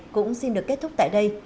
cũng xin được kết thúc tại đây